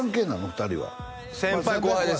２人は先輩後輩です